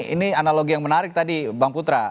ini analogi yang menarik tadi bang putra